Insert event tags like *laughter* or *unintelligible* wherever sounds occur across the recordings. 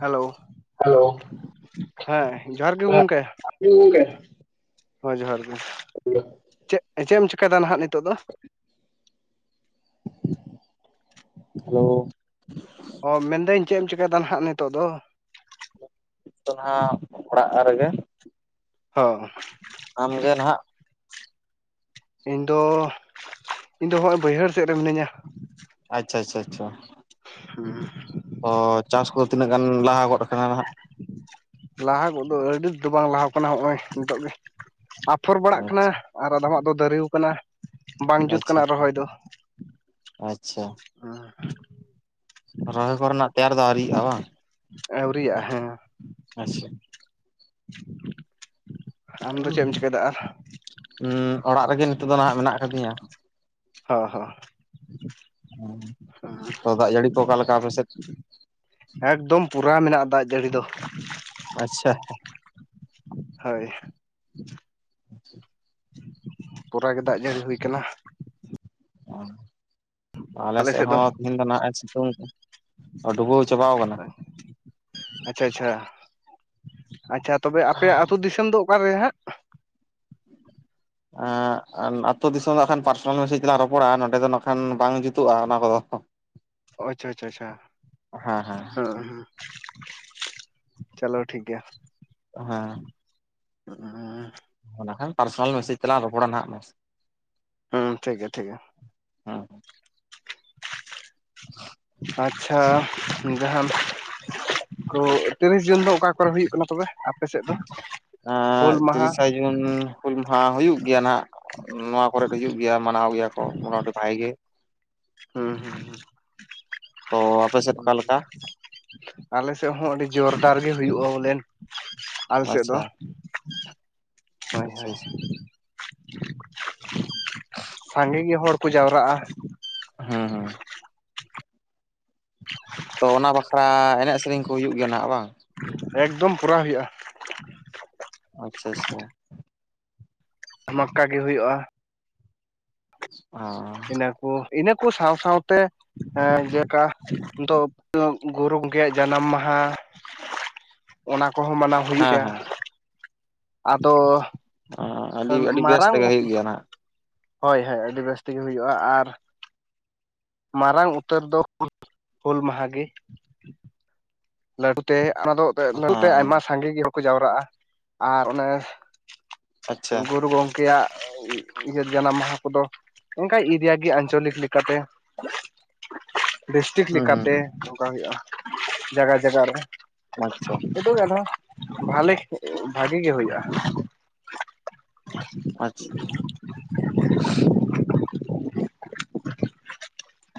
Hello hello ᱦᱮᱸ ᱡᱚᱦᱟᱨ ᱜᱮ *unintelligible* ᱦᱚ ᱡᱚᱦᱟᱨ ᱜᱮ ᱪᱮᱫ ᱪᱮᱫ ᱮᱢ ᱪᱤᱠᱟᱭᱟ ᱱᱟᱦᱟᱜ ᱱᱤᱛᱚᱜ ᱫᱚ ᱦᱮᱞᱳ ᱚ ᱢᱮᱱᱫᱟᱹᱧ ᱪᱮᱫ ᱮᱢ ᱪᱮᱠᱟᱭᱫᱟ ᱱᱟᱦᱟᱜ ᱱᱤᱛᱚᱜ ᱫᱚ ᱛᱚ ᱱᱟᱦᱟᱜ ᱚᱲᱟᱜ ᱨᱮᱜᱮ ᱦᱚᱸ ᱟᱢᱜᱮ ᱱᱟᱦᱟᱜ ᱤᱧᱫᱚ ᱤᱧᱫᱚ ᱦᱚᱸᱜᱼ ᱵᱟᱹᱭᱦᱟᱹᱲ ᱥᱮᱫ ᱨᱮ ᱢᱤᱱᱟᱹᱧᱟ ᱟᱪᱪᱷᱟ ᱟᱪᱪᱷᱟ ᱟᱪᱷᱟ ᱚ ᱪᱟᱥ ᱠᱚ ᱛᱤᱱᱟᱹᱜ ᱜᱟᱱ ᱞᱟᱦᱟ ᱜᱚᱫ ᱠᱟᱱᱟ ᱱᱟᱜ ᱞᱟᱦᱟ ᱜᱚᱫ ᱫᱚ ᱟᱹᱰᱤ ᱫᱚ ᱵᱟᱝ ᱞᱟᱦᱟ ᱠᱟᱱᱟ ᱦᱚᱸᱜᱼᱚᱭ ᱱᱤᱛᱚᱜ ᱜᱮ ᱟᱯᱷᱚᱨ ᱵᱟᱲᱟᱜ ᱠᱟᱱᱟ ᱟᱨ ᱟᱫᱚᱢᱟᱜ ᱫᱚ ᱫᱟᱨᱮ ᱟᱠᱟᱱᱟ ᱵᱟᱝ ᱟᱪᱪᱷᱟ ᱡᱩᱛ ᱟᱪᱪᱷᱟ ᱠᱟᱱᱟ ᱨᱚᱦᱚᱭ ᱫᱚ ᱦᱮᱸ ᱟᱪᱪᱷᱟ ᱨᱚᱦᱚᱭ ᱠᱚᱨᱮᱱᱟᱜ ᱛᱮᱭᱟᱨ ᱫᱚ ᱟᱹᱣᱤᱭᱟᱜᱼᱟ ᱵᱟᱝ ᱟᱹᱣᱨᱤᱭᱟᱜ ᱦᱮᱸ ᱟᱪᱪᱷᱟ ᱟᱢ ᱫᱚ ᱪᱮᱫ ᱮᱢ ᱪᱤᱠᱟᱹᱫᱟ ᱟᱨ ᱦᱮᱸ ᱚᱲᱟᱜ ᱨᱮᱜᱮ ᱱᱤᱛᱚᱜ ᱫᱚ ᱱᱟᱜ ᱢᱮᱱᱟᱜ ᱠᱟᱫᱤᱧᱟ ᱦᱚ ᱦᱮ ᱦᱮᱸ ᱛᱚ ᱫᱟᱜ ᱡᱟᱹᱲᱤ ᱠᱚ ᱚᱠᱟᱞᱮᱠᱟ ᱟᱯᱮᱥᱮᱫ ᱮᱠᱫᱚᱢ ᱯᱩᱨᱟᱹᱟ ᱢᱮᱱᱟᱜᱼᱟ ᱫᱟᱜ ᱡᱟᱹᱲᱤ ᱫᱚ ᱟᱪᱪᱷᱟ ᱦᱳᱭ *inaudible* ᱯᱩᱨᱟᱜ ᱜᱮ ᱫᱟᱜ ᱡᱟᱹᱲᱤ ᱦᱩᱭ ᱠᱟᱱᱟ ᱚ ᱟᱞᱮ ᱥᱮᱫ ᱦᱚᱸ ᱛᱮᱦᱤᱧ ᱫᱚ ᱱᱟᱦᱟᱜ ᱮ ᱥᱤᱛᱩᱝ ᱰᱩᱵᱟᱹᱣ ᱪᱟᱵᱟ ᱟᱠᱟᱱᱟ ᱟᱪᱪᱷᱟ ᱟᱪᱪᱷᱟ, ᱟᱪᱪᱷᱟ ᱛᱚᱵᱮ ᱟᱯᱮᱭᱟᱜ ᱟᱹᱛᱩ ᱫᱤᱥᱚᱢ ᱫᱚ ᱚᱠᱟ ᱨᱮ ᱦᱟᱸᱜ ᱟᱼ ᱟᱛᱳ ᱫᱤᱥᱚᱢ ᱫᱚ ᱟᱱ ᱯᱟᱨᱥᱚᱱᱟᱞ ᱢᱮᱥᱡᱽ ᱛᱮᱞᱟᱝ ᱨᱚᱯᱚᱲᱟ ᱱᱚᱸᱰᱮ ᱫᱚ ᱠᱷᱟᱱ ᱵᱟᱝ ᱡᱩᱛᱩᱜᱼᱟ ᱚᱱᱟ ᱠᱚᱫᱚ ᱟᱪᱪᱷᱟ ᱟᱪᱪᱷᱟ ᱟᱪᱪᱷᱟ, ᱦᱮᱸ ᱦᱮᱸ *inaudible* ᱪᱚᱞᱚ ᱴᱷᱤᱠ ᱜᱮᱭᱟ ᱦᱮᱸ *unintelligible* ᱚᱱᱟᱠᱷᱟᱱ ᱯᱟᱨᱥᱚᱱᱟᱞ ᱢᱮᱥᱮᱡᱽ ᱛᱮᱞᱟᱝ ᱨᱚᱯᱚᱲᱟ ᱱᱟᱦᱟᱜ ᱦᱚᱸ ᱦᱮᱸ ᱴᱷᱤᱠ ᱜᱮᱭᱟ ᱴᱷᱤᱠ ᱜᱮᱭᱟ ᱦᱮᱸ ᱟᱪᱪᱷᱟ ᱡᱟᱦᱟᱸ ᱠᱚ ᱛᱤᱨᱤᱥ ᱡᱩᱱ ᱫᱚ ᱚᱠᱟ ᱠᱚᱨᱮ ᱦᱩᱭᱩᱜ ᱠᱟᱱᱟ ᱛᱚᱵᱮ ᱟᱯᱮ ᱥᱮᱫ ᱫᱚ ᱟᱸᱼ ᱦᱩᱞ ᱢᱟᱦᱟ ᱛᱤᱨᱤᱥᱟ ᱡᱩᱱ ᱦᱩᱞ ᱢᱟᱦᱟ ᱦᱩᱭᱩᱜ ᱜᱮᱭᱟ ᱱᱟᱦᱟᱜ ᱱᱚᱣᱟ ᱠᱚᱨᱮ ᱜᱮ ᱦᱩᱭᱩᱜ ᱜᱮᱭᱟ ᱢᱟᱱᱟᱣ ᱜᱮᱭᱟ ᱠᱚ ᱢᱚᱴᱟᱢᱩᱴᱤ ᱵᱷᱟᱭ ᱜᱮ ᱦᱩᱸ ᱦᱩᱸ ᱦᱩᱸ ᱛᱚ ᱟᱯᱮ ᱥᱮᱫ ᱚᱠᱟ ᱞᱮᱠᱟ ᱟᱞᱮ ᱥᱮᱫ ᱦᱚᱸ ᱟᱹᱰᱤ ᱡᱳᱨᱫᱟᱨ ᱜᱮ ᱦᱩᱭᱩᱜᱼᱟ ᱵᱚᱞᱮ ᱟᱪᱪᱷᱟ ᱦᱳᱭ ᱟᱪᱪᱷᱟ ᱦᱳᱭ ᱟᱪᱪᱷᱟ ᱥᱟᱸᱜᱮ ᱜᱮ ᱦᱚᱲ ᱠᱚ ᱡᱟᱣᱨᱟᱜᱼᱟ ᱦᱮᱸ ᱦᱮᱸ ᱦ *inaudible* ᱛᱚ ᱚᱱᱟ ᱵᱟᱠᱷᱨᱟ ᱮᱱᱮᱡ ᱥᱮᱨᱮᱧ ᱠᱚ ᱦᱩᱭᱩᱜ ᱜᱮᱭᱟ ᱱᱟᱜ ᱵᱟᱝ ᱮᱠᱫᱚᱢ ᱠᱚᱨᱟᱣ ᱦᱩᱭᱩᱜᱼᱟ ᱟᱪᱪᱷᱟ ᱟᱪᱪᱷᱟ ᱟᱢᱟᱠᱟ ᱜᱮ ᱦᱩᱭᱩᱜᱼᱟ ᱚ ᱤᱱᱟᱹᱠᱩ ᱤᱱᱟᱹ ᱠᱚ ᱥᱟᱶ ᱥᱟᱶᱛᱮ ᱦᱮᱸ ᱡᱮᱞᱮᱠᱟ ᱱᱤᱛᱚᱜ ᱜᱩᱨᱩ ᱜᱚᱢᱠᱮᱭᱟᱜ ᱡᱟᱱᱟᱢ ᱢᱟᱦᱟ ᱚᱱᱟ ᱠᱚᱦᱚᱸ ᱢᱟᱱᱟᱣ ᱦᱮᱸ ᱦᱩᱭᱩᱜᱼᱟ ᱦᱮᱸ ᱟᱫᱚ ᱟᱹᱰᱤ ᱟᱹᱰᱤ ᱵᱮᱥ ᱢᱟᱨᱟᱝ ᱛᱮᱜᱮ ᱦᱩᱭᱩᱜ ᱜᱮᱭᱟ ᱱᱟᱜ ᱦᱳᱭ ᱦᱳᱭ ᱟᱹᱰᱤ ᱵᱮᱥ ᱛᱮᱜᱮ ᱦᱩᱭᱩᱜᱼᱟ ᱟᱨ ᱢᱟᱨᱟᱝ ᱩᱛᱟᱹᱨ ᱫᱚ *unintelligible* ᱦᱩᱞ ᱢᱟᱦᱟ ᱜᱮ ᱞᱟᱹᱴᱩ ᱛᱮ ᱚᱱᱟ ᱫᱚ ᱞᱟᱹᱴᱩ ᱛᱮ ᱦᱮᱸ ᱟᱭᱢᱟ ᱥᱟᱸᱜᱮ ᱜᱮ ᱠᱚ ᱡᱟᱣᱨᱟᱜᱼᱟ, ᱟᱨ ᱚᱱᱮ ᱟᱪᱪᱷᱟ ᱜᱩᱨᱩ ᱜᱚᱝ ᱟᱠᱮᱭᱟᱜ ᱤᱭᱟᱹ ᱡᱟᱱᱟᱢ ᱢᱟᱦᱟ ᱠᱚᱫᱚ ᱮᱱᱠᱟ ᱤᱫᱤᱭᱟᱜᱮ ᱟᱧᱪᱚᱞᱤᱠ ᱞᱮᱠᱟᱛᱮ ᱰᱤᱥᱴᱤᱠ ᱦᱩᱸ ᱦᱩᱸ ᱞᱮᱠᱟᱛᱮ ᱱᱚᱝᱠᱟ ᱦᱩᱭᱩᱜᱼᱟ ᱡᱟᱭᱜᱟ ᱡᱟᱭᱜᱟ ᱨᱮ ᱟᱪᱪᱷᱟ *inaudible* ᱩᱰᱩᱠ ᱜᱟᱠᱚ, ᱵᱷᱟᱞᱮ ᱵᱷᱟᱜᱤ ᱜᱮ ᱦᱩᱭᱩᱜᱼᱟ ᱟᱪᱪᱷᱟ *inaudible*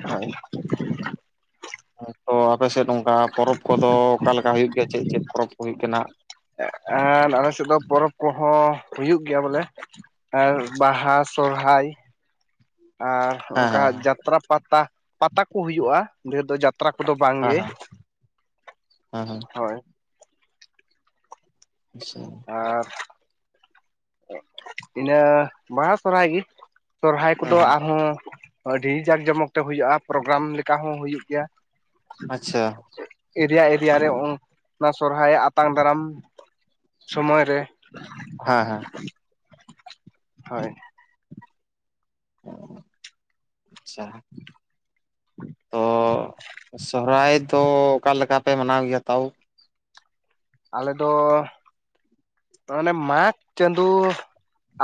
ᱦᱳᱭ ᱛᱚ ᱟᱯᱮᱥᱮᱫ ᱚᱱᱠᱟ ᱯᱚᱨᱚᱵᱽ ᱠᱚᱫᱚ ᱚᱠᱟ ᱞᱮᱠᱟ ᱦᱩᱭᱩᱜ ᱜᱮᱭᱟ ᱪᱮᱫ ᱪᱮᱫ ᱯᱚᱨᱚᱵᱽ ᱠᱚ ᱦᱩᱭᱩᱜ ᱠᱟᱱᱟ ᱮ ᱟᱨ ᱟᱞᱮ ᱥᱮᱫ ᱫᱚ ᱯᱚᱨᱚᱵᱽ ᱠᱚᱦᱚᱸ ᱦᱩᱭᱩᱜ ᱜᱮᱭᱟ ᱵᱚᱞᱮ ᱮ ᱵᱟᱦᱟ ᱥᱚᱨᱦᱟᱭ ᱟᱨ ᱦᱮᱸ ᱚᱱᱠᱟ ᱦᱮᱸ ᱡᱟᱛᱨᱟ ᱯᱟᱛᱟ ᱯᱟᱛᱟ ᱠᱚ ᱦᱩᱭᱩᱜᱼᱟ ᱰᱷᱮᱨ ᱫᱚ ᱡᱟᱛᱨᱟ ᱯᱟᱛᱨᱟ ᱠᱚᱫᱚ ᱵᱟᱝ ᱦᱮᱸ ᱜᱮ ᱦᱮᱸ ᱦᱮᱸ ᱦᱮᱸ ᱦᱳᱭ ᱟᱪᱪᱷᱟ ᱟᱨ ᱤᱱᱟᱹ ᱵᱟᱦᱟ ᱥᱚᱨᱦᱟᱭ ᱜᱮ᱾ ᱥᱚᱨᱚᱦᱟᱭ ᱦᱩᱸ ᱠᱚᱫᱚ ᱦᱩᱸ ᱟᱨᱦᱚᱸ ᱟᱹᱰᱤ ᱡᱟᱠ ᱡᱚᱢᱚᱠ ᱛᱮ ᱦᱩᱭᱩᱜᱼᱟ᱾ ᱯᱨᱳᱜᱨᱟᱢ ᱞᱮᱠᱟ ᱦᱚᱸ ᱦᱩᱭᱩᱜ ᱜᱮᱭᱟ᱾ ᱟᱪᱪᱷᱟ ᱮᱨᱤᱭᱟ ᱮᱨᱤᱭᱟ ᱨᱮ ᱚᱱᱟ ᱥᱚᱨᱚᱦᱟᱭ ᱟᱛᱟᱝ ᱫᱟᱨᱟᱢ ᱥᱚᱢᱚᱭ ᱨᱮ ᱦᱮᱸ ᱦᱮᱸ ᱦᱳᱭ ᱟᱪᱪᱷᱟ ᱛᱚ ᱥᱚᱦᱚᱨᱟᱭ ᱫᱚ ᱚᱠᱟ ᱞᱮᱠᱟ ᱯᱮ ᱢᱟᱱᱟᱣ ᱜᱮᱭᱟ ᱛᱟᱣ ᱟᱞᱮ ᱫᱚ ᱚᱱᱮ ᱢᱟᱜᱽ ᱪᱟᱸᱫᱚ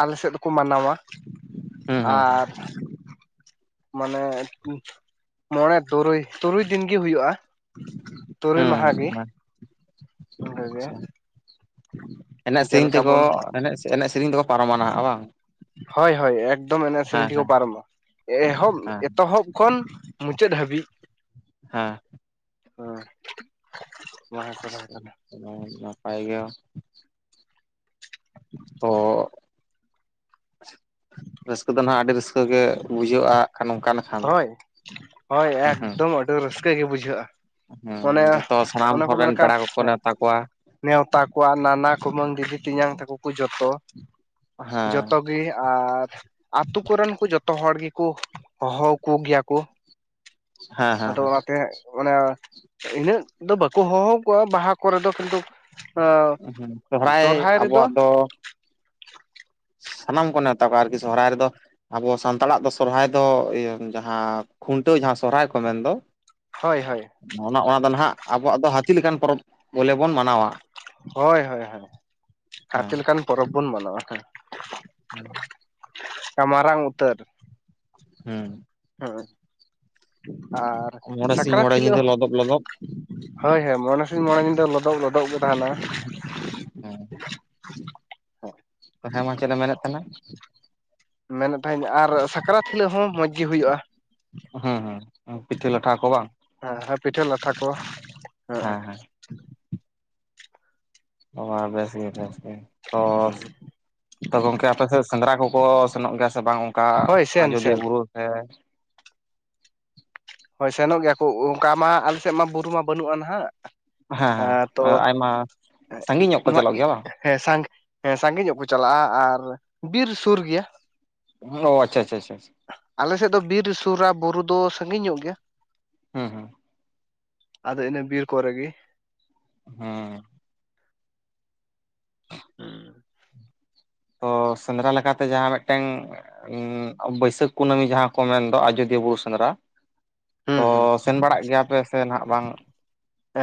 ᱟᱞᱮ ᱥᱮᱫ ᱫᱚᱠᱚ ᱢᱟᱱᱟᱣᱟ ᱦᱩᱸ ᱦᱩᱸ ᱟᱨ *inaudible* ᱢᱟᱱᱮ ᱢᱚᱬᱮ ᱛᱩᱨᱩᱭ ᱛᱩᱨᱩᱭ ᱫᱤᱱᱜᱤ ᱦᱩᱭᱩᱜᱼᱟ ᱛᱩᱨᱩᱭ ᱦᱩᱸ ᱢᱟᱦᱟ ᱜᱮ᱾ ᱦᱩᱸ ᱚᱱᱠᱟᱜᱮ ᱟᱪᱪᱷᱟ ᱮᱱᱮᱡ ᱥᱮᱨᱮᱧ ᱡᱮᱞᱮᱠᱟ ᱛᱮᱠᱚ ᱵᱚᱱ ᱮᱱᱮᱡ ᱥᱮᱨᱮᱧ ᱛᱮᱠᱚ ᱯᱟᱨᱚᱢᱟ ᱱᱟᱦᱟᱜ ᱵᱟᱝ ᱦᱳᱭ ᱦᱳᱭ ᱮᱠᱫᱚᱢ ᱮᱱᱮᱡ ᱦᱮᱸ ᱥᱮᱨᱮᱧ ᱦᱮᱸ ᱛᱮᱠᱚ ᱯᱟᱨᱚᱢᱼᱟ ᱮᱦᱚᱵ ᱦᱮᱸ ᱮᱛᱚᱦᱚᱵ ᱠᱷᱚᱱ ᱢᱩᱪᱟᱹᱫ ᱦᱟᱹᱵᱤᱡ ᱦᱮᱸ *unintelligible* ᱠᱟᱱᱟ ᱱᱟᱯᱟᱭ ᱜᱮ᱾ ᱛᱚ ᱨᱟᱹᱥᱠᱟᱹ ᱫᱚ ᱱᱟᱦᱟᱜ ᱟᱹᱰᱤ ᱨᱟᱹᱥᱠᱟᱹ ᱜᱮ ᱵᱩᱡᱷᱟᱹᱜᱼᱟ ᱟᱨ ᱱᱚᱝᱠᱟ ᱱᱟᱜ ᱦᱳᱭ ᱦᱳᱭ ᱮᱠᱫᱚᱢ ᱟᱹᱰᱤ ᱨᱟᱹᱥᱠᱟᱹ ᱜᱮ ᱵᱩᱡᱷᱟᱹᱜᱼᱟ ᱦᱩᱸ ᱢᱚᱱᱮ ᱡᱷᱚᱛᱚ ᱥᱟᱱᱟᱢ ᱚᱱᱮ ᱠᱚ ᱦᱚᱲ ᱢᱮᱱ ᱨᱮᱱ ᱞᱮᱠᱟ ᱯᱮᱲᱟ ᱠᱚᱠᱚ ᱦᱮᱸ ᱱᱮᱣᱛᱟ ᱠᱚᱣᱟ ᱱᱮᱣᱛᱟ ᱠᱚᱣᱟᱜ ᱱᱟᱱᱟ ᱠᱩᱢᱟᱹᱝ ᱫᱤᱫᱤ ᱛᱮᱧᱟᱝ ᱛᱟᱠᱚ ᱠᱚ ᱡᱚᱛᱚ ᱦᱮᱸ ᱡᱚᱛᱚ ᱟᱨ ᱟᱛᱳ ᱠᱚᱨᱮᱱ ᱠᱚ ᱡᱚᱛᱚ ᱦᱚᱲ ᱜᱮᱠᱚ ᱦᱚᱦᱚ ᱠᱚ ᱜᱮᱭᱟ ᱠᱚ ᱦᱮᱸ ᱦᱮᱸ ᱟᱫᱚ ᱚᱱᱟᱛᱮ ᱚᱱᱟ ᱤᱱᱟᱹᱜ ᱫᱚ ᱵᱟᱠᱚ ᱦᱚᱦᱚ ᱠᱚᱣᱟ ᱵᱟᱦᱟ ᱠᱚᱨᱮ ᱫᱚ ᱠᱤᱱᱛᱩ ᱦᱮᱸ ᱥᱚᱦᱨᱟᱭ ᱥᱚᱨᱦᱟᱭ ᱨᱮᱫᱚ ᱟᱵᱚᱣᱟᱜ ᱫᱚ ᱥᱟᱱᱟᱢ ᱠᱚ ᱱᱮᱶᱛᱟ ᱠᱚᱣᱟ ᱟᱨᱠᱤ ᱥᱚᱦᱚᱨᱟᱭ ᱨᱮᱫᱚ᱾ ᱟᱵᱚ ᱥᱟᱱᱛᱟᱲᱟᱜ ᱫᱚ ᱥᱚᱨᱦᱟᱭ ᱫᱚ ᱤᱭᱟᱹ ᱡᱟᱦᱟᱸ ᱠᱷᱩᱱᱴᱟᱹᱣ ᱡᱟᱦᱟᱸ ᱥᱚᱨᱦᱟᱭ ᱠᱚ ᱢᱮᱱᱫᱚ ᱦᱳᱭ ᱦᱳᱭ ᱚᱱᱟ ᱫᱚ ᱱᱟᱦᱟᱜ ᱟᱵᱚᱣᱟᱜ ᱫᱚ ᱦᱟᱹᱛᱤ ᱞᱮᱠᱟᱱ ᱯᱚᱨᱚᱵᱽ ᱵᱚᱞᱮ ᱵᱚᱱ ᱢᱟᱱᱟᱣᱟ ᱦᱳᱭ ᱦᱳᱭ ᱦᱳᱭ ᱦᱮᱸ ᱦᱟᱹᱛᱤ ᱞᱮᱠᱟᱱ ᱯᱚᱨᱚᱵᱽ ᱵᱚᱱ ᱢᱟᱱᱟᱣᱟ ᱦᱮ ᱦᱮᱸ ᱢᱟᱨᱟᱝ ᱩᱛᱟᱹᱨ ᱦᱮᱸ ᱦᱮᱸ ᱟᱨ ᱢᱚᱬᱮ ᱥᱤᱧ ᱥᱟᱠᱨᱟᱛ ᱢᱚᱬᱮ ᱧᱤᱫᱟᱹ ᱦᱤᱞᱳᱜ ᱞᱚᱫᱚᱵ ᱞᱚᱫᱚᱵ ᱦᱳᱭ ᱦᱳᱭ ᱢᱚᱬᱮ ᱥᱤᱧ ᱢᱚᱬᱮ ᱧᱤᱫᱟᱹ ᱞᱚᱫᱚᱜ ᱞᱚᱫᱚᱜ ᱜᱮ ᱛᱟᱦᱮᱱᱟ ᱦᱮᱸ ᱦᱮᱸ ᱢᱟ ᱪᱮᱫ ᱮᱢ ᱢᱮᱱ ᱮᱫ ᱛᱟᱦᱮᱱᱟ ᱢᱮᱱᱮᱫ ᱛᱟᱦᱮᱱᱤᱧ ᱟᱨ ᱥᱟᱠᱨᱟᱛ ᱦᱤᱞᱳᱜ ᱦᱚᱸ ᱢᱚᱸᱡᱽ ᱜᱮ ᱦᱩᱭᱩᱜᱼᱟ ᱦᱮᱸ ᱦᱩᱸ ᱯᱤᱴᱷᱟᱹ ᱞᱟᱴᱷᱟ ᱠᱚ ᱵᱟᱝ ᱦᱮᱸ ᱦᱮᱸ ᱯᱤᱴᱷᱟᱹ ᱞᱟᱴᱷᱟ ᱠᱚ᱾ ᱦᱮᱸ ᱦᱮᱸ ᱚ ᱵᱮᱥ ᱜᱮ ᱵᱮᱥ ᱜᱮ ᱚ ᱛᱚ ᱜᱚᱝᱠᱮ ᱟᱯᱮ ᱥᱮᱜ ᱥᱮᱸᱫᱽᱨᱟ ᱠᱚᱠᱚ ᱥᱮᱱᱚᱜ ᱜᱮᱭᱟ ᱥᱮ ᱵᱟᱝ ᱚᱱᱠᱟ ᱦᱳᱭ ᱥᱮᱱ ᱟᱡᱚᱫᱤᱭᱟᱹ ᱥᱮᱱ ᱵᱩᱨᱩ ᱛᱮ? ᱦᱳᱭ ᱥᱮᱱᱚᱜ ᱜᱮᱭᱟ ᱠᱚ, ᱚᱱᱠᱟ ᱢᱟ ᱟᱞᱮ ᱥᱮᱜ ᱢᱟ ᱵᱩᱨᱩ ᱢᱟ ᱵᱟᱹᱱᱩᱜᱼᱟ ᱱᱟᱦᱟᱜ᱾ ᱦᱮᱸ ᱛᱚ ᱥᱟᱺᱜᱤᱧ ᱧᱚᱜ *unintelligible* ᱠᱚ ᱱᱚᱣᱟ ᱪᱟᱞᱟᱜ ᱤᱜᱼᱼ ᱜᱮᱭᱟ ᱵᱟᱝ ᱦᱮᱸ ᱥᱟᱸᱜᱷ ᱦᱮᱸ ᱥᱟᱸᱜᱮ ᱧᱚᱜ ᱠᱚ ᱪᱟᱞᱟᱜᱼᱟ, ᱟᱨ ᱵᱤᱨ ᱥᱩᱨ ᱜᱮᱭᱟ᱾ ᱚ ᱟᱪᱪᱷᱟ ᱟᱪᱪᱷᱟ ᱟᱪᱪᱷᱟ᱾ ᱟᱞᱮ ᱥᱮᱫ ᱫᱚ ᱵᱤᱨ ᱥᱩᱨᱟ, ᱵᱩᱨᱩ ᱫᱚ ᱥᱟᱺᱜᱤᱧ ᱧᱚᱜ ᱜᱮᱭᱟ᱾ ᱦᱩᱸ ᱦᱩᱸ᱾ ᱟᱫᱚ ᱤᱱᱟᱹ ᱵᱤᱨ ᱠᱚᱨᱮ ᱜᱮ᱾ ᱦᱩᱸ, ᱛᱚ ᱥᱮᱸᱫᱽᱨᱟ ᱞᱮᱠᱟᱛᱮ ᱡᱟᱦᱟᱸ ᱢᱤᱫᱴᱮᱱ ᱵᱟᱹᱭᱥᱟᱹᱠᱷ ᱠᱩᱱᱟᱹᱢᱤ ᱡᱟᱦᱟᱸ ᱠᱚ ᱢᱮᱱᱫᱚ ᱟᱡᱚᱫᱤᱭᱟᱹ ᱵᱩᱨᱩ ᱥᱮᱸᱫᱽᱨᱟ ᱦᱩᱸ ᱛᱚ ᱦᱩᱸ ᱥᱮᱱ ᱵᱟᱲᱟᱜ ᱜᱮᱭᱟᱯᱮ ᱥᱮ ᱱᱟᱦᱟᱜ ᱵᱟᱝ?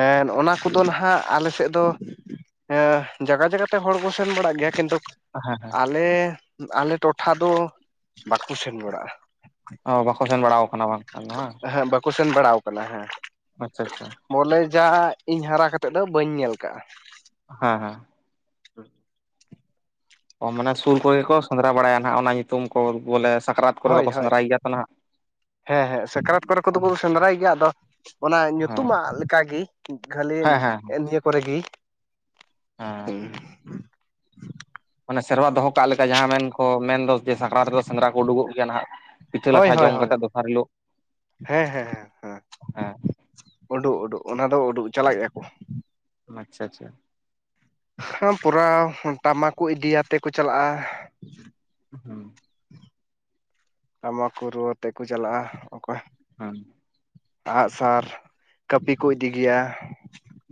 ᱮᱱ ᱚᱱᱟ ᱠᱚᱫᱚ ᱱᱟᱦᱟᱜ ᱟᱞᱮ ᱥᱮᱫ ᱫᱚ, ᱦᱮᱸ ᱡᱟᱭᱜᱟ ᱡᱟᱭᱜᱟ ᱛᱮ ᱦᱚᱲ ᱠᱚ ᱥᱮᱱ ᱵᱟᱲᱟᱜ ᱜᱮᱭᱟ ᱠᱤᱱᱛᱩ ᱦᱮᱸ ᱦᱮᱸ ᱟᱞᱮ, ᱟᱞᱮ ᱴᱚᱴᱷᱟ ᱫᱚ ᱵᱟᱠᱚ ᱥᱮᱱ ᱵᱟᱲᱟᱜᱼᱟ᱾ ᱚ ᱵᱟᱠᱚ ᱥᱮᱱ ᱵᱟᱲᱟᱟᱣ ᱟᱠᱟᱱᱟ ᱵᱟᱝᱠᱷᱟᱱ ᱵᱟᱝ ᱠᱚ ᱥᱮᱱ ᱵᱟᱲᱟ ᱟᱠᱟᱱᱟ ᱦᱮᱸ ᱟᱪᱪᱷᱟ ᱟᱪᱪᱷᱟ ᱵᱚᱞᱮ ᱡᱟ ᱤᱧ ᱦᱟᱨᱟ ᱠᱟᱛᱮᱫ ᱫᱚ ᱵᱟᱹᱧ ᱧᱮᱞ ᱠᱟᱜᱼᱟ᱾ ᱦᱮᱸ ᱦᱮᱸ᱾ *inaudible* ᱚ ᱢᱟᱱᱮ ᱥᱩᱨ ᱠᱚᱨᱮᱜᱮ ᱠᱚ ᱥᱮᱸᱫᱽᱨᱟ ᱵᱟᱲᱟᱭᱟ ᱱᱟᱜ ᱚᱱᱟ ᱧᱩᱛᱩᱢ ᱠᱚ ᱵᱚᱞᱮ ᱥᱟᱠᱨᱟᱛ ᱠᱚᱨᱮ ᱦᱳᱭ ᱫᱚᱠᱚ ᱦᱳᱭ ᱥᱮᱸᱫᱽᱨᱟᱭ ᱜᱮᱭᱟ ᱛᱚ ᱱᱟᱦᱟᱜ? ᱦᱮᱸ ᱦᱮᱸ, ᱥᱟᱠᱨᱟᱛ ᱠᱚᱨᱮ ᱠᱚᱫᱚ ᱥᱮᱸᱫᱽᱨᱟᱭ ᱜᱮᱭᱟ, ᱟᱫᱚ ᱚᱱᱟ ᱦᱮᱸ ᱧᱩᱛᱩᱢᱟᱜ ᱞᱮᱠᱟᱜᱮ ᱠᱷᱟᱹᱞᱤ ᱦᱮᱸ ᱮᱱᱤᱭᱟᱹ ᱠᱚᱨᱮᱜᱤ᱾ ᱦᱩᱸ ᱢᱟᱱᱮ ᱥᱮᱨᱣᱟ ᱫᱚᱦᱚ ᱠᱟᱜ ᱞᱮᱠᱟ ᱡᱟᱦᱟᱸ ᱢᱮᱱᱠᱚ ᱢᱮᱱᱫᱚ ᱡᱮ ᱥᱟᱠᱨᱟᱛ ᱨᱮᱫᱚ ᱥᱮᱸᱫᱽᱨᱟ ᱠᱚ ᱩᱰᱩᱠᱚᱜ ᱜᱮᱭᱟ ᱱᱟᱦᱟᱜ᱾ ᱯᱤᱴᱷᱟᱹ ᱦᱳᱭ ᱞᱟᱴᱷᱟ ᱦᱳᱭ ᱡᱚᱢ ᱠᱟ ᱦᱳᱭ ᱠᱟᱛᱮᱫ ᱫᱚᱥᱟᱨ ᱦᱤᱞᱳᱜ ᱦᱮᱸ ᱦᱮᱸ ᱦᱮᱸ, ᱦᱮᱸ, ᱦᱮᱸ ᱩᱰᱩᱜ ᱩᱰᱩᱜ ᱚᱱᱟ ᱫᱚ ᱩᱰᱩᱜ, ᱪᱟᱞᱟᱜ ᱜᱮᱭᱟ ᱠᱚ᱾ ᱟᱪᱪᱷᱟ ᱟᱪᱪᱷᱟ᱾ ᱦᱟᱸ ᱯᱩᱨᱟᱣ ᱴᱟᱢᱟᱠ ᱠᱚ ᱤᱫᱤᱭᱟᱛᱮ ᱠᱚ ᱪᱟᱞᱟᱜᱼᱟ᱾ ᱦᱩᱸ ᱴᱟᱢᱟᱠ ᱠᱚ ᱨᱩᱣᱟᱛᱮ ᱠᱚ ᱪᱟᱞᱟᱜᱼᱟ, ᱚᱠᱚᱭ ᱦᱩᱸ ᱟᱸᱜᱼᱥᱟᱨ ᱠᱟᱹᱯᱤ ᱠᱚ ᱤᱫᱤ ᱜᱮᱭᱟ᱾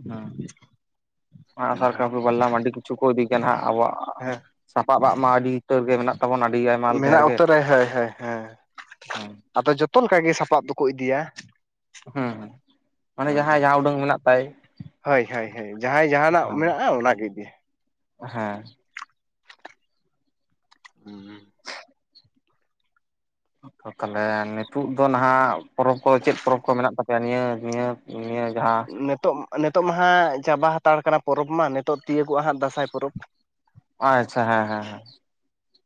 ᱦᱮᱸ, ᱟᱜ-ᱥᱟᱨ ᱠᱟᱯᱤ ᱵᱟᱨᱞᱟᱢ ᱢᱟ ᱟᱹᱰᱤ ᱠᱤᱪᱷᱩ ᱠᱚ ᱤᱫᱤᱭ ᱜᱮᱭᱟ ᱱᱟᱦᱟᱜ ᱟᱵᱚᱣᱟᱜ᱾ ᱦᱮᱸ ᱥᱟᱯᱟᱵ ᱟᱜ ᱢᱟ ᱟᱹᱰᱤ ᱩᱛᱟᱹᱨ ᱜᱮ ᱢᱮᱱᱟᱜ ᱛᱟᱵᱚᱱ ᱟᱹᱰᱤ ᱟᱭᱢᱟ ᱞᱮᱠᱟ *unintelligible* ᱩᱛᱟᱹᱨᱟᱭ ᱦᱟᱹᱭ ᱦᱟᱹᱭ᱾ ᱦᱚᱸ᱾ ᱟᱫᱚ ᱡᱚᱛᱚ ᱞᱮᱠᱟ ᱜᱮ ᱥᱟᱯᱟᱵ ᱫᱚᱠᱚ ᱤᱫᱤᱭᱟ᱾ ᱦᱮᱸ, ᱢᱟᱱᱮ ᱡᱟᱦᱟᱸᱭ ᱡᱟᱦᱟᱸ ᱩᱰᱟᱹᱝ ᱢᱮᱱᱟᱜ ᱛᱟᱭ᱾ ᱦᱟᱹᱭ ᱦᱟᱹᱭ ᱦᱟᱹᱭ ᱡᱟᱦᱟᱸᱭ ᱡᱟᱦᱟᱸᱱᱟᱜ ᱢᱮᱱᱟᱜᱼᱟ ᱚᱱᱟ ᱜᱮ ᱤᱫᱤᱭᱟ᱾ ᱦᱮᱸ᱾ *inaudible* ᱛᱟᱦᱚᱞᱮ ᱱᱤᱛᱳᱜ ᱫᱚ ᱱᱟᱦᱟᱜ ᱯᱚᱨᱚᱵᱽ ᱠᱚ ᱪᱮᱫ ᱯᱚᱨᱚᱵᱽ ᱠᱚ ᱢᱮᱱᱟᱜ ᱛᱟᱯᱮᱭᱟ ᱱᱤᱭᱟᱹ ᱱᱤᱭᱟᱹ ᱱᱤᱭᱟᱹ ᱡᱟᱦᱟᱸ ᱱᱤᱛᱚᱜ, ᱱᱤᱛᱚᱜ ᱢᱟ ᱦᱟᱸᱜ ᱪᱟᱵᱟ ᱦᱟᱛᱟᱲ ᱠᱟᱱᱟ ᱯᱚᱨᱚᱵᱽ ᱢᱟ ᱱᱤᱛᱚᱜ ᱛᱤᱭᱳᱜᱚᱜᱼᱟ ᱦᱟᱸᱜ ᱫᱟᱸᱥᱟᱭ ᱯᱚᱨᱚᱵᱽ᱾ ᱟᱪᱪᱷᱟ ᱦᱮᱸ ᱦᱮᱸ ᱦᱮᱸ᱾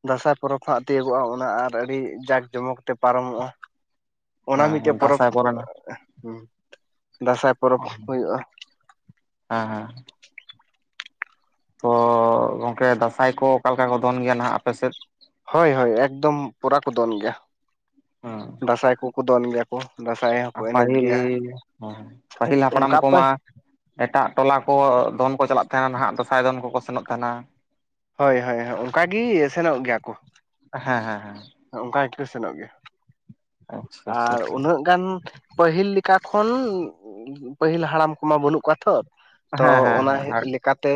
ᱫᱟᱸᱥᱟᱭ ᱯᱚᱨᱚᱵᱽ ᱦᱟᱸᱜ ᱛᱤᱭᱟᱹᱜᱚᱜᱼᱟ ᱚᱱᱟ ᱟᱨ ᱟᱹᱰᱤ ᱡᱟᱠ ᱡᱚᱢᱚᱠ ᱛᱮ ᱯᱟᱨᱚᱢᱚᱜᱼᱟ᱾ ᱚᱱᱟ ᱢᱤᱫᱴᱮᱡ ᱦᱮᱸ ᱯᱚᱨᱚᱵᱽ ᱫᱟᱸᱥᱟᱭ ᱠᱚᱨᱮᱱᱟᱜ ᱫᱟᱸᱥᱟᱭ ᱯᱚᱨᱚᱵᱽ ᱦᱩᱭᱩᱜᱼᱟ ᱦᱮᱸ ᱦᱮᱸ᱾ ᱛᱚ ᱜᱚᱝᱠᱮ ᱫᱟᱸᱥᱟᱭ ᱠᱚ ᱚᱠᱟᱮᱠᱟ ᱠᱚ ᱫᱚᱱ ᱜᱮᱭᱟ ᱱᱟᱦᱟᱜ ᱟᱯᱮᱥᱮᱫ? ᱦᱳᱭ ᱦᱳᱭ, ᱮᱠᱫᱚᱢ ᱯᱚᱨᱟ ᱠᱚ ᱫᱚᱱ ᱜᱮᱭᱟ᱾ ᱦᱚᱸ᱾ ᱫᱟᱸᱥᱟᱭ ᱠᱚᱠᱚ ᱫᱚᱱ ᱜᱮᱭᱟ᱾ ᱠᱚ ᱫᱟᱸᱥᱟᱭ ᱟ᱾ ᱯᱟᱹᱦᱤᱞ ᱦᱚᱸ ᱯᱟᱹᱦᱤᱞ ᱦᱟᱯᱲᱟᱢ ᱚᱱᱠᱟ ᱯᱮ ᱠᱚᱢᱟᱼᱼ ᱮᱴᱟᱜ ᱴᱚᱞᱟ ᱠᱚ ᱫᱚᱱ ᱠᱚ ᱪᱟᱞᱟᱜ ᱛᱟᱦᱮᱸᱱ ᱱᱟᱦᱟᱸᱜ ᱫᱟᱸᱥᱟᱭ ᱫᱚᱱ ᱠᱚᱠᱚ ᱥᱮᱱᱚᱜ ᱛᱟᱦᱮᱸᱱᱟ᱾ ᱦᱚᱭ ᱦᱳᱭ ᱚᱱᱠᱟ ᱜᱤ‌ ᱥᱮᱱᱚᱜ ᱜᱮᱭᱟ ᱠᱩ᱾ ᱦᱮᱸ ᱦᱮᱸ ᱦᱮᱸ᱾ ᱚᱱᱠᱟ ᱜᱤ‌ᱠᱩ ᱥᱮᱱᱚᱜ ᱜᱮᱭᱟ ᱟᱪᱪᱷᱟ ᱟᱪᱪᱷᱟ ᱟᱨ ᱟᱪᱪᱷᱟ ᱩᱱᱟᱹᱜ ᱜᱟᱱᱼᱼ ᱯᱟᱹᱦᱤᱞ ᱞᱮᱠᱟ ᱠᱷᱚᱱ ᱯᱟᱹᱦᱤᱞ ᱦᱟᱲᱟᱢ ᱠᱚᱢᱟ ᱵᱟᱹᱱᱩᱜ ᱠᱚᱣᱟ ᱛᱷᱚᱼᱼ ᱛᱚ ᱦᱮᱸ ᱦᱮᱸ ᱚᱱᱟ ᱦᱮᱸ ᱦᱤ ᱞᱮᱠᱟ ᱛᱮᱼᱼ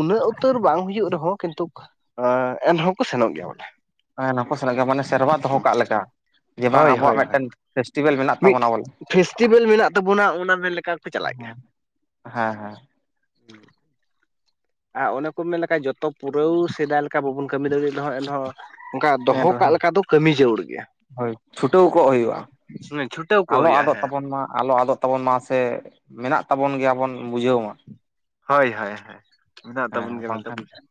ᱩᱱᱟᱹᱜ ᱩᱛᱟᱹᱨ ᱵᱟᱝ ᱦᱩᱭᱩᱜ ᱨᱮᱦᱚᱸ ᱠᱤᱱᱛᱩᱠ ᱮᱸ ᱮᱱᱦᱚᱸ ᱠᱚ ᱥᱮᱱᱚᱜ ᱜᱮᱭᱟ ᱵᱚᱞᱮ᱾ ᱦᱮᱸ ᱱᱟ ᱠᱚ ᱥᱮᱱᱟᱜ ᱜᱮᱭᱟ ᱢᱟᱱᱮ ᱥᱮᱨᱣᱟ ᱫᱚᱦᱚ ᱠᱟᱜ ᱞᱮᱠᱟ᱾ ᱡᱮ ᱵᱟᱝ ᱦᱳᱭ ᱟᱵᱚᱣᱟᱜ ᱦᱳᱭ ᱦᱳᱭ, ᱢᱤᱫᱴᱮᱱ ᱯᱷᱮᱥᱴᱤᱵᱮᱞ ᱢᱮᱱᱟᱜ ᱢᱤᱫ ᱛᱟᱵᱚᱱᱟ ᱵᱚᱞᱮ ᱯᱷᱮᱥᱴᱤᱵᱮᱞ ᱢᱮᱱᱟᱜ ᱛᱟᱵᱚᱱᱟ ᱚᱱᱟ ᱢᱮᱱ ᱞᱮᱠᱷᱟᱱ᱾ ᱠᱚ ᱪᱟᱞᱟᱜ ᱜᱮᱭᱟ᱾ ᱦᱮᱸ ᱦᱮᱸ᱾ ᱟᱨ ᱚᱱᱮ ᱠᱚ ᱢᱮᱱ ᱞᱮᱠᱷᱟᱡ ᱡᱚᱛᱚ ᱯᱩᱨᱟᱹᱣ ᱥᱮᱫᱟᱭ ᱞᱮᱠᱼᱼ ᱞᱮᱠᱟ ᱵᱟᱹᱵᱩᱱ ᱠᱟᱹᱢᱤ ᱫᱟᱲᱤᱜ ᱨᱮᱦᱚᱸ ᱮᱱᱦᱚᱸ ᱚᱱᱠᱟ ᱫᱚᱦᱚ ᱠᱟᱜ ᱮᱱᱨᱮᱦᱚᱸ ᱞᱮᱠᱟ ᱫᱚ ᱠᱟᱹᱢᱤ ᱡᱟᱹᱨᱩᱲ ᱜᱮᱭᱟ᱾ ᱦᱳᱭ ᱪᱷᱩᱴᱟᱹᱣ ᱠᱚᱜ ᱦᱩᱭᱩᱜ-ᱟ᱾ ᱥᱮ ᱚᱱᱮ ᱪᱷᱩᱴᱼᱼᱼ ᱟᱞᱚ ᱟᱫᱚᱜ ᱛᱟᱵᱚᱱ ᱢᱟ ᱟᱞᱚ ᱟᱫᱚᱜ ᱛᱟᱵᱚᱱ ᱢᱟ ᱥᱮ ᱢᱮᱱᱟᱜ ᱛᱟᱵᱚᱱ ᱜᱮᱭᱟ ᱵᱚᱱ ᱵᱩᱡᱷᱟᱹᱣ ᱢᱟ᱾ ᱦᱚᱭ ᱦᱚᱭ ᱦᱚᱭ ᱢᱮᱱᱟᱜ ᱛᱟᱵᱩᱱ ᱦᱮᱸ ᱜᱮᱭᱟ ᱢᱮᱱᱛᱮ ᱵᱟᱝᱠᱷᱟᱱ ᱵᱩᱡᱟᱹᱣᱼᱼ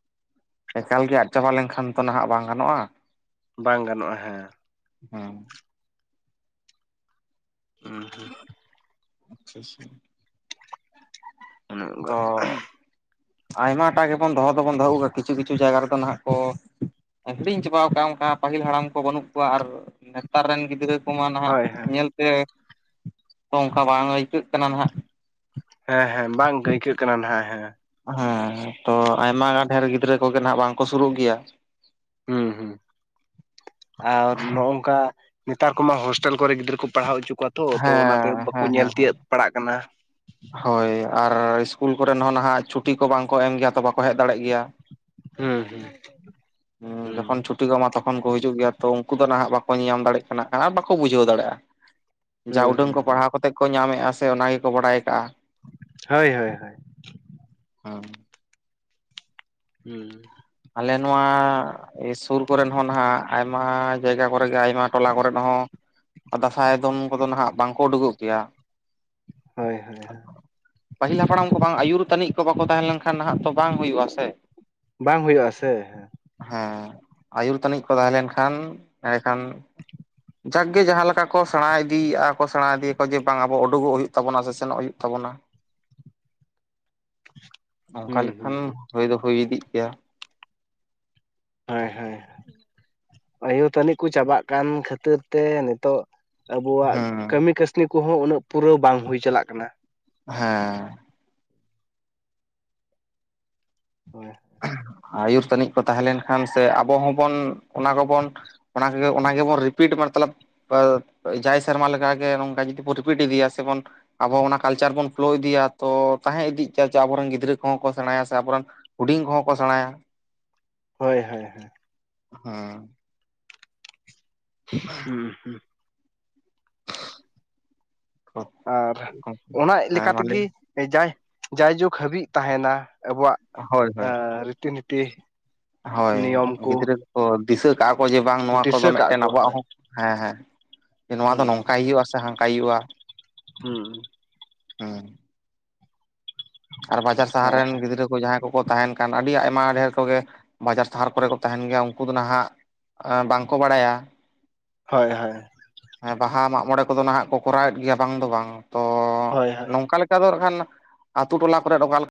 ᱮᱠᱟᱞ ᱜᱮ ᱟᱫ ᱪᱟᱵᱟ ᱞᱮᱱᱠᱷᱟᱱ ᱛᱚ ᱱᱟᱦᱟᱸᱜ ᱵᱟᱝ ᱜᱟᱱᱚᱜ-ᱟ᱾ ᱵᱟᱝ ᱜᱟᱱᱚᱜ-ᱟ ᱦᱮᱸ᱾ ᱦᱮᱸ᱾ ᱦᱩᱸ ᱦᱩᱸ᱾ ᱟᱪᱪᱷᱟ ᱟᱪᱪᱷᱟ, ᱦᱳᱭ ᱛᱚᱼᱼ ᱟᱭᱢᱟ ᱴᱟᱜ ᱜᱮᱵᱚᱱ ᱫᱚᱦᱚ ᱫᱚᱵᱚᱱ ᱫᱚᱦᱚ ᱟᱹᱜᱩᱣ ᱠᱟᱫᱟ ᱠᱤᱪᱷᱩ ᱠᱤᱪᱷᱩ ᱡᱟᱭᱜᱟ ᱨᱮᱫᱚ ᱱᱟᱦᱟᱸᱜ ᱠᱚᱼᱼ ᱮᱸ ᱦᱤᱲᱤᱧ ᱪᱟᱵᱟᱣ ᱠᱟᱜ-ᱟ ᱚᱱᱠᱟ ᱯᱟᱦᱤᱞ ᱦᱟᱲᱟᱢ ᱠᱚ ᱵᱟᱹᱱᱩᱜ ᱠᱚᱣᱟ ᱟᱨ ᱱᱮᱛᱟᱨ ᱨᱮᱱ ᱜᱤᱫᱽᱨᱟᱹᱼᱼ ᱠᱩ ᱢᱟ ᱱᱟᱦᱟᱸᱜ ᱦᱳᱭ ᱧᱮᱞ ᱛᱮᱼᱼ ᱠᱟ ᱵᱟᱝ ᱟᱹᱭᱠᱟᱹᱜ ᱠᱟᱱᱟ ᱱᱟᱦᱟᱸᱜ᱾ ᱦᱮᱸ ᱦᱮᱸ ᱵᱟᱝ ᱟᱹᱭᱠᱟᱹᱜ ᱠᱟᱱᱟ ᱱᱟᱦᱟᱸᱜ ᱦᱮᱸ᱾ ᱦᱮᱸ ᱦᱮᱸ ᱛᱚ ᱟᱭᱢᱟ ᱜᱟᱱ ᱰᱷᱮᱨ ᱜᱤᱫᱽᱨᱟᱹ ᱠᱚᱜᱮ ᱱᱟᱦᱟᱸᱜ ᱵᱟᱝ ᱠᱚ ᱥᱩᱨᱩᱜ ᱜᱮᱭᱟ᱾ ᱦᱩᱸ ᱦᱩᱸ ᱟᱨ ᱱᱚ-ᱚᱝᱠᱟᱼᱼ ᱱᱮᱛᱟᱨ ᱠᱩᱢᱟ ᱦᱳᱥᱴᱮᱞ ᱠᱚᱨᱮ ᱜᱤᱫᱽᱨᱟᱹ ᱠᱩ ᱯᱟᱲᱦᱟᱣ ᱚᱪᱩ ᱠᱚᱣᱟ ᱛᱚ ᱛᱚ ᱚᱱᱟᱛᱮ ᱦᱮᱸ ᱵᱟᱹᱠᱩ ᱧᱮᱞ ᱛᱤᱭᱟᱹᱜ ᱯᱟᱲᱟᱜ ᱠᱟᱱᱟ᱾ ᱦᱚᱭ ᱟᱨ ᱤᱥᱠᱩᱞ ᱠᱚᱨᱮ ᱱᱚᱜ-ᱚ ᱱᱟᱦᱟᱸᱜ ᱪᱷᱩᱴᱤ ᱠᱚ ᱵᱟᱝ ᱠᱚ ᱮᱢ ᱜᱮᱭᱟ ᱛᱚ ᱵᱟᱠᱚ ᱦᱮᱡ ᱫᱟᱲᱮᱜ ᱜᱮᱭᱟ᱾ ᱦᱩᱸ ᱦᱩᱸ᱾ ᱦᱩᱸᱜᱼᱼ ᱦᱩᱸ ᱡᱚᱠᱷᱚᱱ ᱪᱷᱩᱴᱤ ᱠᱚ ᱮᱢᱟ ᱛᱚᱠᱷᱚᱱ ᱠᱚ ᱦᱤᱡᱩᱜ ᱜᱮᱭᱟ ᱛᱚ ᱩᱱᱠᱩ ᱫᱚ ᱱᱟᱦᱟᱸᱜ ᱵᱟᱠᱚ ᱧᱮ ᱧᱟᱢ ᱫᱟᱲᱮᱜ ᱠᱟᱱᱟ ᱟᱨ ᱵᱟᱠᱚ ᱵᱩᱡᱷᱟᱹᱣ ᱫᱟᱲᱮᱜ-ᱟ᱾ ᱡᱟ ᱦᱩᱸ ᱩᱰᱟᱹᱝ ᱦᱩᱸ ᱠᱚ ᱦᱩᱸ ᱯᱟᱲᱦᱟᱣ ᱠᱟᱛᱮᱜ ᱠᱚ ᱧᱟᱢᱮᱜ-ᱟ ᱥᱮ ᱚᱱᱟ ᱜᱮᱠᱚ ᱵᱟᱲᱟᱭ ᱠᱟᱜ-ᱟ᱾ ᱦᱚᱭ ᱦᱚᱭ ᱦᱚᱭ᱾ ᱦᱮᱸ ᱦᱩᱸᱻ᱾ ᱟᱞᱮ ᱱᱚᱶᱟᱼᱼ ᱮᱭ ᱥᱩᱨ ᱠᱚᱨᱮᱱ ᱦᱚᱸ ᱱᱟᱦᱟᱸᱜ ᱟᱭᱢᱟ ᱡᱟᱭᱜᱟ ᱠᱚᱨᱮ ᱜᱮ ᱟᱭᱢᱟ ᱴᱚᱞᱟ ᱠᱚᱨᱮᱱ ᱦᱚᱸᱼᱼ ᱟᱨ ᱫᱟᱸᱥᱟᱭ ᱫᱚᱱ ᱠᱚᱫᱚ ᱱᱟᱦᱟᱸᱜ ᱵᱟᱝ ᱠᱚ ᱩᱰᱩᱠᱚᱜ ᱜᱮᱭᱟ ᱦᱚᱭ ᱦᱚᱭ ᱦᱳ᱾ ᱯᱟᱹᱦᱤᱞ ᱦᱟᱯᱲᱟᱢ ᱠᱚ ᱵᱟᱝ ᱟᱹᱭᱩᱨ ᱛᱟᱹᱱᱤᱡ ᱠᱚ ᱵᱟᱠᱚ ᱛᱟᱦᱮᱸ ᱞᱮᱱᱠᱷᱟᱱ ᱱᱟᱦᱟᱸᱜ ᱛᱚ ᱵᱟᱝ ᱦᱩᱭᱩᱜ-ᱟ ᱥᱮ᱾ ᱵᱟᱝ ᱦᱩᱭᱩᱜ-ᱟ ᱥᱮ᱾ ᱦᱮᱸ ᱟᱭᱩᱨ ᱛᱟᱹᱱᱤᱡ ᱠᱚ ᱛᱟᱦᱮᱸ ᱞᱮᱱᱠᱷᱟᱱ ᱮᱸᱰᱮᱠᱷᱟᱱᱼᱼ ᱡᱟᱸᱠ ᱜᱮ ᱡᱟᱦᱟᱸ ᱞᱮᱠᱟ ᱠᱚ ᱥᱮᱬᱟ ᱤᱫᱤᱭᱮᱜ-ᱟ ᱠᱚ ᱥᱮᱬᱟ ᱤᱫᱤ ᱭᱟᱠᱚ ᱡᱮ ᱵᱟᱝ ᱟᱵᱚ ᱩᱰᱩᱜᱚᱜ ᱦᱩᱭᱩᱜ ᱛᱟᱵᱚᱱᱟ ᱥᱮᱱᱚᱜ ᱦᱩᱭᱩᱜ ᱛᱟᱵᱚᱱᱟ᱾ *inaudible* ᱚᱱᱠᱟ ᱦᱩᱸ ᱦᱩᱸ ᱞᱮᱠᱷᱟᱱ ᱦᱩᱸ ᱦᱩᱭ ᱫᱚ ᱦᱩᱭ ᱤᱫᱤᱜ ᱜᱮᱭᱟ᱾ ᱦᱳᱭ ᱦᱳᱭ ᱟᱹᱭᱩ ᱛᱟᱹᱱᱤᱡ ᱠᱚ ᱪᱟᱵᱟᱜ ᱠᱟᱱ ᱠᱷᱟᱹᱛᱤᱨ ᱛᱮ ᱱᱤᱛᱚᱜᱼ ᱟᱵᱚᱣᱟᱜ ᱦᱮᱸ ᱠᱟᱹᱢᱤ ᱠᱟᱹᱥᱱᱤ ᱠᱚᱦᱚᱸ ᱩᱱᱟᱹᱜ ᱯᱩᱨᱟᱹᱣ ᱵᱟᱝ ᱦᱩᱭ ᱪᱟᱞᱟᱜ ᱠᱟᱱᱟ᱾ ᱦᱮᱸᱻ ᱦᱚᱭ ᱟᱹᱭᱩᱨ ᱛᱟᱹᱱᱤᱡ ᱠᱚ ᱛᱟᱦᱮᱸ ᱞᱮᱱᱠᱷᱟᱱ ᱥᱮ ᱟᱵᱚ ᱦᱚᱸᱵᱚᱱ ᱚᱱᱟ ᱠᱚᱵᱚᱱ ᱚᱱᱟ ᱠᱚᱜᱮ ᱚᱱᱟ ᱜᱮᱵᱚᱱ ᱨᱤᱯᱤᱴ ᱢᱚᱨ ᱛᱚᱞᱚᱵ *unintelligible* ᱡᱟᱭ ᱥᱮᱨᱢᱟ ᱞᱮᱠᱟᱜᱮ ᱱᱚᱝᱠᱟ ᱡᱩᱫᱤ ᱨᱤᱯᱤᱴ ᱤᱫᱤᱭᱟ ᱥᱮ ᱵᱚᱱ ᱟᱵᱚ ᱚᱱᱟ ᱠᱟᱞᱪᱟᱨ ᱵᱚᱱ ᱯᱷᱳᱞᱳ ᱤᱫᱤᱭᱟ, ᱛᱚ ᱛᱟᱦᱮᱸ ᱤᱫᱤᱜ ᱜᱮᱭᱟ ᱪᱮ ᱟᱵᱚᱨᱤᱱ ᱜᱤᱫᱽᱨᱟᱹ ᱠᱚᱦᱚᱸ ᱠᱚ ᱥᱮᱬᱟᱭᱟ ᱥᱮ ᱟᱵᱚᱨᱤᱱ ᱦᱩᱰᱤᱝ ᱠᱚᱸᱦᱚᱸ ᱠᱚ ᱥᱮᱬᱟᱭᱟ᱾ ᱦᱳᱭ ᱦᱚᱭ ᱦᱚᱭ ᱦᱚᱸ *inaudible* ᱦᱚᱸ ᱦᱚᱸ *inaudible* ᱟᱨ ᱚᱱᱟ ᱤ ᱦᱮᱸ ᱞᱮᱠᱟ ᱢᱟᱱᱮ ᱛᱮᱜᱮ ᱡᱟᱭ ᱡᱟᱭᱡᱩᱜᱽ ᱦᱟᱹᱵᱤᱡ ᱛᱟᱦᱮᱱᱟ᱾ ᱟᱵᱚᱣᱟᱜ ᱦᱳᱭ ᱦᱳᱭ ᱨᱤᱛᱤ ᱱᱤᱴᱤ ᱦᱳᱭ ᱜᱤᱫᱽᱨᱟᱹ ᱠᱚᱠᱚ ᱫᱤᱥᱟᱹ ᱠᱟᱜᱼᱟ ᱠᱚ ᱡᱮ ᱵᱟᱝ ᱱᱚᱣᱟ ᱠᱚᱫᱚ ᱫᱤᱥᱟᱹ ᱠᱟᱜ ᱢᱤᱫᱴᱮᱱ ᱠᱚ ᱟᱵᱚᱣᱟᱜ ᱦᱳᱭ ᱦᱚᱸ ᱦᱮᱸᱻᱦᱮᱸ ᱡᱮ ᱱᱚᱣᱟ ᱫᱚ ᱦᱩᱸ ᱱᱚᱝᱠᱟᱭ ᱦᱩᱭᱩᱜᱼᱟ, ᱥᱮ ᱦᱟᱝᱠᱟᱭ ᱦᱩᱭᱩᱜᱼᱟ? ᱦᱩᱸᱻ ᱦᱩᱸ ᱟᱨ ᱵᱟᱡᱟᱨ ᱥᱟᱦᱟᱨ ᱦᱳᱭ ᱨᱮᱱ ᱜᱤᱫᱽᱨᱟᱹ ᱠᱩ ᱡᱟᱦᱟᱸᱭ ᱠᱚᱠᱚ ᱛᱟᱦᱮᱱ ᱠᱟᱱ, ᱟᱹᱰᱤ ᱟᱭᱢᱟ ᱰᱮᱦᱮᱨ ᱠᱚᱜᱮ ᱵᱟᱡᱟᱨ ᱛᱟᱦᱟᱨ ᱠᱚᱨᱮ ᱠᱚ ᱛᱟᱦᱮᱸᱱ ᱜᱮᱭᱟ᱾ ᱩᱱᱠᱩ ᱫᱚ ᱱᱟᱦᱟᱜ, ᱟᱸ ᱵᱟᱝᱠᱚ ᱵᱟᱲᱟᱭᱟ᱾ ᱦᱳᱭ ᱦᱳᱭ ᱦᱮᱸ ᱵᱟᱦᱟ, ᱢᱟᱜᱽ ᱢᱚᱬᱮ ᱠᱚᱫᱚ ᱱᱟᱦᱜ ᱠᱚ ᱠᱚᱨᱟᱣᱮᱫ ᱜᱮᱭᱟ ᱵᱟᱝ ᱫᱚ ᱵᱟᱝ ᱛᱚ ᱦᱳᱭ ᱱᱚᱝᱠᱟ ᱞᱮᱠ ᱟᱫᱚ ᱱᱟᱠᱷᱟᱱ ᱟᱛᱩ ᱴᱚᱞᱟ ᱠᱚᱨᱮ ᱚᱠᱟᱞ